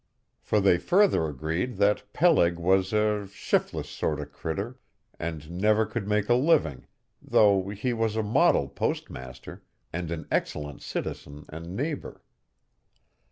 For they further agreed that Peleg was a "shif'less sort o' critter" and never could make a living, though he was a model postmaster and an excellent citizen and neighbor.